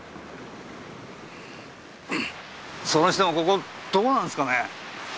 それにしてもここどこなんですかね？